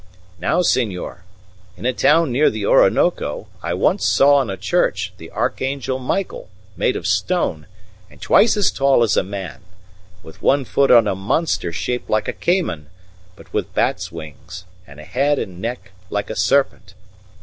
Now, senor, in a town near the Orinoco I once saw on a church the archangel Michael, made of stone, and twice as tall as a man, with one foot on a monster shaped like a cayman, but with bat's wings, and a head and neck like a serpent.